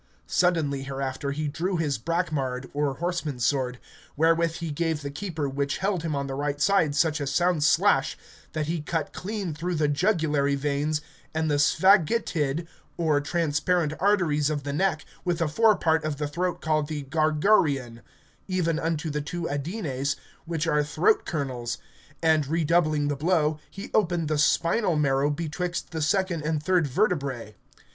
Suddenly hereafter he drew his brackmard or horseman's sword, wherewith he gave the keeper which held him on the right side such a sound slash that he cut clean through the jugulary veins and the sphagitid or transparent arteries of the neck, with the fore part of the throat called the gargareon, even unto the two adenes, which are throat kernels; and, redoubling the blow, he opened the spinal marrow betwixt the second and third vertebrae.